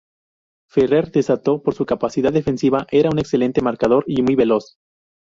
Ferrer destacó por su capacidad defensiva; era un excelente marcador y muy veloz.